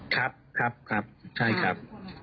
ครับใช่ครับ